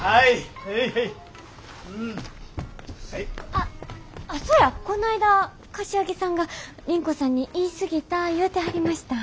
あっそやこないだ柏木さんが倫子さんに言い過ぎた言うてはりました。